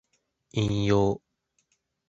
引用